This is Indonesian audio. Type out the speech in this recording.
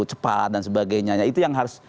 cepat dan sebagainya itu yang harus